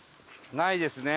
ないですね。